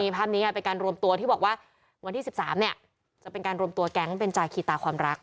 ภาพนี้เป็นการรวมตัวที่บอกว่าวันที่๑๓จะเป็นการรวมตัวแก๊งเป็นจาคีตาความรัก